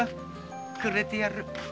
くれてやる。